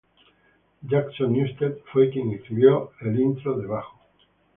Jason Newsted fue quien escribió el intro de bajo.